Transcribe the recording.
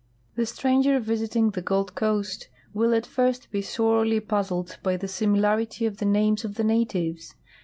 The stranger visiting the Gold coast will at first be sorely puz zled by the similarity of the names of the natives.